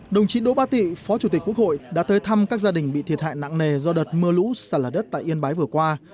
đồng chí đỗ ba tị phó chủ tịch quốc hội đã tới thăm các gia đình bị thiệt hại nặng nề do đợt mưa lũ xả lở đất tại yên bái vừa qua